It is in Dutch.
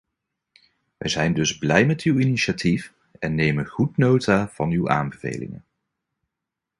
Wij zijn dus blij met uw initiatief en nemen goed nota van uw aanbevelingen.